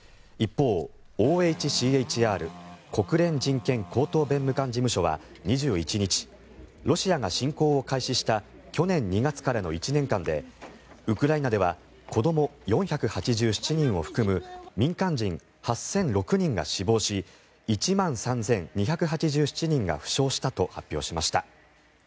一方、ＯＨＣＨＲ・国連人権高等弁務官事務所は２１日ロシアが侵攻を開始した去年２月からの１年間でウクライナでは子ども４８７人を含む民間人８００６人が死亡し１万３２８７人が負傷したと発表しました。